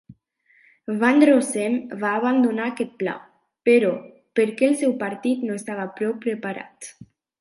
Van Rossem va abandonar aquest pla, però, perquè el seu partit no estava prou preparat.